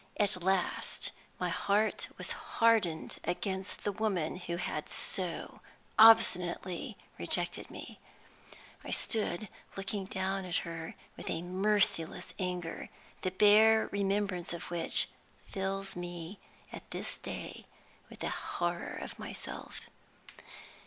At last, my heart was hardened against the woman who had so obstinately rejected me. I stood looking down at her with a merciless anger, the bare remembrance of which fills me at this day with a horror of myself.